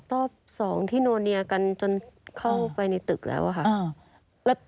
รอบสองที่โนเนียกันจนเข้าไปในตึกแล้วค่ะ